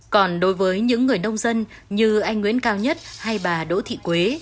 còn đối với những người nông dân như anh nguyễn cao nhất hay bà đỗ thị quế